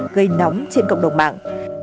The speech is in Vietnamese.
gây nóng trên cộng đồng mạng